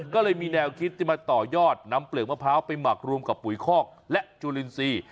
ก็เลยมีแนวคิดจะมาต่อยอดนำเปลือกมะพร้าวไปหมักรวมกับปุ๋ยคอกและจุลินทรีย์